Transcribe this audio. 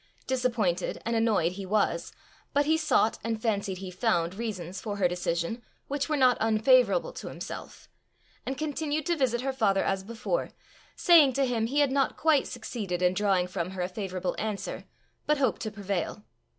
Disappointed and annoyed he was, but he sought and fancied he found reasons for her decision which were not unfavourable to himself, and continued to visit her father as before, saying to him he had not quite succeeded in drawing from her a favourable answer, but hoped to prevail.